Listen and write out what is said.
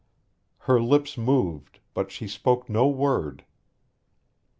Her lips moved, but she spoke no word.